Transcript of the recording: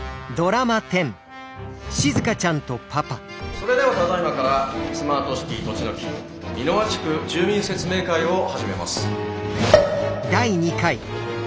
それではただいまからスマートシティとちのき美ノ和地区住民説明会を始めます。